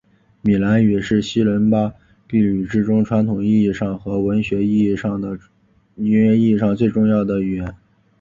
米兰语是西伦巴第语之中传统意义上和文学意义上最重要的语言。